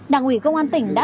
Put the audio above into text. đảng ủy công an tỉnh đã